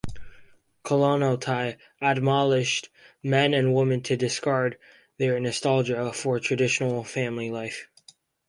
Kollontai admonished men and women to discard their nostalgia for traditional family life.